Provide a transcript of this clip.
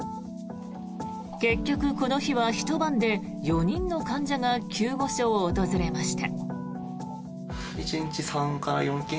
結局この日はひと晩で４人の患者が救護所を訪れました。